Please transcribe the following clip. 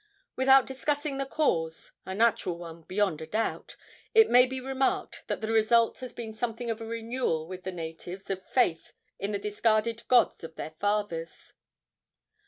Without discussing the cause a natural one beyond a doubt it may be remarked that the result has been something of a renewal with the natives of faith in the discarded gods of their fathers.